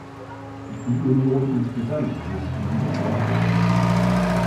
Die Union insgesamt muss diesen Ländern helfen.